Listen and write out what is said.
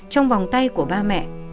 trong vòng tay của ba mẹ